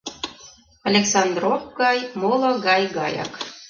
Александров-Гай моло «Гай гаяк».